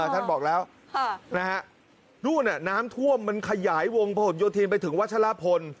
อ๋อท่านบอกแล้วค่ะนะฮะรูเนี่ยน้ำท่วมมันขยายวงพระโยธีนไปถึงวัชลพล